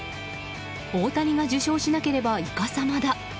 大谷が受賞しなければイカサマだ。